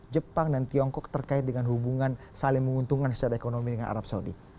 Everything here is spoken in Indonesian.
jepang dan tiongkok terkait dengan hubungan saling menguntungkan secara ekonomi dengan arab saudi